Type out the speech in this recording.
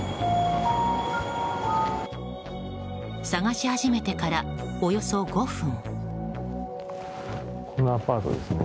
探し始めてからおよそ５分。